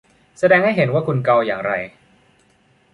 แสดงให้เห็นว่าคุณเกาอย่างไร